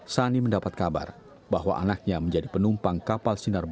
sani mendapat kabar bahwa anaknya menjadi penumpang kapal sinar bangun